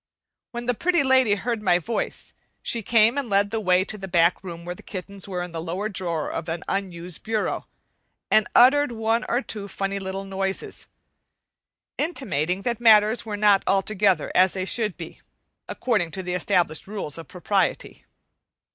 When the Pretty Lady heard my voice, she came and led the way to the back room where the kittens were in the lower drawer of an unused bureau, and uttered one or two funny little noises, intimating that matters were not altogether as they should be, according to established rules of propriety.